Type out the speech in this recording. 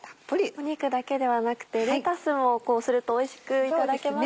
肉だけではなくてレタスもこうするとおいしくいただけますね。